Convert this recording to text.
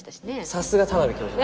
さすが田邊教授！